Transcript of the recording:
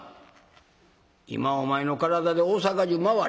今お前の体で大坂中回れ。